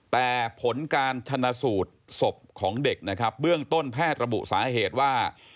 แต่ผลการชนะสูตรศพของเด็กนะครับเบื้องต้นแพทย์ระบุสาเหตุว่า